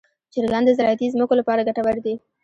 چرګان د زراعتي ځمکو لپاره ګټور دي.